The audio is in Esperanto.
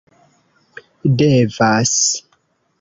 devas